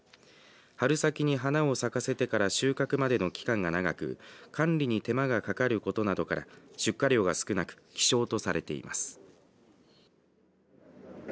春先に花を咲かせてから収穫までの期間が長く管理に手間がかかることなどから出荷量が少なく希少とされています。